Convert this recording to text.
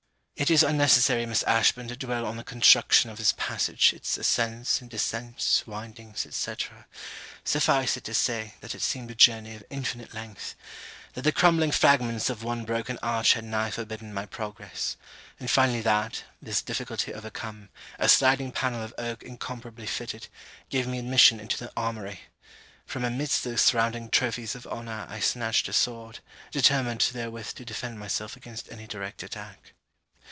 It is unnecessary, Miss Ashburn, to dwell on the construction of this passage, its ascents, and descents, windings, &c. Suffice it to say, that it seemed a journey of infinite length; that the crumbling fragments of one broken arch had nigh forbidden my progress; and finally that, this difficulty overcome, a sliding pannel of oak incomparably fitted, gave me admission into the armoury. From amidst the surrounding trophies of honour I snatched a sword, determined therewith to defend myself against any direct attack.